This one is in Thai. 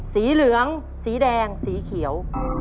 สีเหลืองสีแดงสีเขียว